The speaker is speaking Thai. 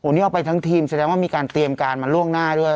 นี่เอาไปทั้งทีมแสดงว่ามีการเตรียมการมาล่วงหน้าด้วย